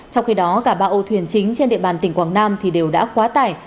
trong khi đó cả ba âu thuyền chính trên địa bàn tỉnh quảng nam đều đã quá tải